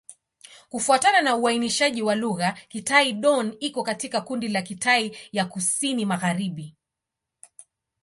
Kufuatana na uainishaji wa lugha, Kitai-Dón iko katika kundi la Kitai ya Kusini-Magharibi.